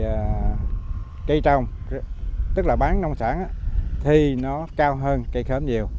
thứ ba là cây trồng tức là bán nông sản thì nó cao hơn cây khớm nhiều